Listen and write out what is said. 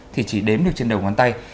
thì chỉ đếm được trên đầu ngón tay